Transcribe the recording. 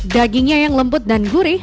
dagingnya yang lembut dan gurih